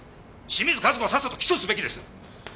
清水和子はさっさと起訴すべきです。